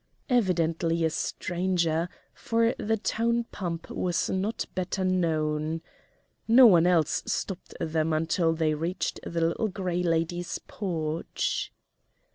(evidently a stranger, for the town pump was not better known). No one else stopped them until they reached the Little Gray Lady's porch.